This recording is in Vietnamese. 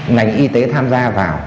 ngành y tế tham gia vào